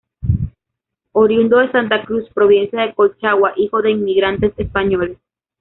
Oriundo de Santa Cruz, provincia de Colchagua, hijo de inmigrantes españoles.